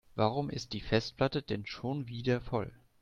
Warum ist die Festplatte denn schon wieder voll?